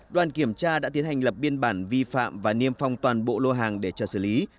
đoàn kiểm tra đã tiến hành lập biên bản vi phạm và niêm phong toàn bộ lô hàng để cho xử lý